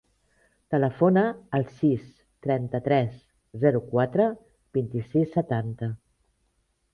Telefona al sis, trenta-tres, zero, quatre, vint-i-sis, setanta.